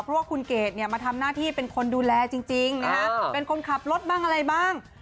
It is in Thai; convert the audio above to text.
เพราะว่าคุณเกดเนี่ยมาทำหน้าที่เป็นคนดูแลจริงนะฮะเป็นคนขับรถบ้างอะไรบ้าง